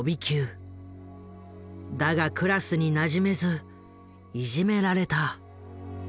だがクラスになじめずいじめられた。